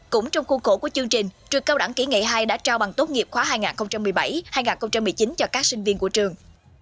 cũng trong khu cổ của chương trình trường cao đẳng kỹ nghệ hai đã trao bằng tốt nghiệp khóa hai nghìn một mươi bảy hai nghìn một mươi chín cho các sinh viên của trường